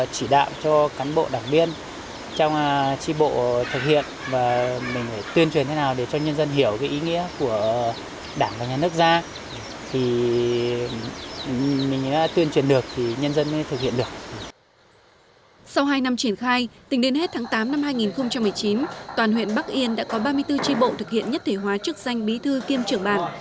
sau hai năm triển khai tính đến hết tháng tám năm hai nghìn một mươi chín toàn huyện bắc yên đã có ba mươi bốn tri bộ thực hiện nhất thể hóa chức danh bí thư kiêm trưởng bản